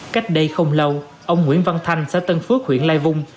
cách đây không lâu ông nguyễn văn thanh xã tân phước huyện lai vung